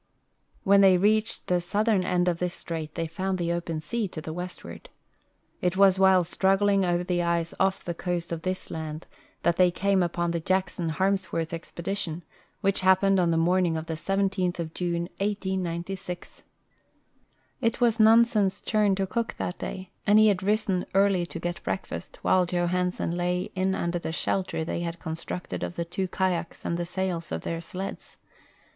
When they reached the southern end of this strait they found the open sea to the westward. It was while struggling over the ice off the coast of this laud that they came upon the Jacksou Harmsworth expedition, which happened on the morning of the 17th of June, 1896. It was Nansen's turn to cook that day, and he had risen early to get breakfast, while Johansen lay in under the shelter they had constructed of the two kayaks and the sails of their sleds.